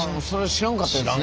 知らんかったです